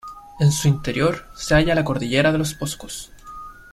En su interior, se halla la Cordillera de los Vosgos.